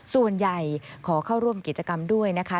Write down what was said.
ส่วนใหญ่ขอเข้าร่วมกิจกรรมด้วยนะคะ